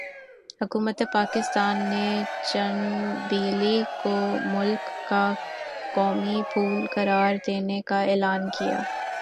حکومتِ پاکستان نے 'چنبیلی' کو ملک کا قومی پھول قرار دینے کا اعلان کیا۔